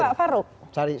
saksinya pak faruk